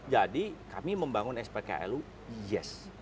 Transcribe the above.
jadi kami membangun spklu yes